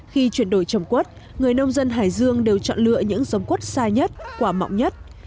khi chuyển đổi trồng quất người nông dân hải dương đều chọn lựa những giống quất xa nhất quả mộng nhất